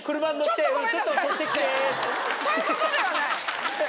そういうことではない？